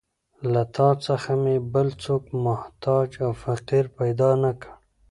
له تا څخه مې بل څوک محتاج او فقیر پیدا نه کړ.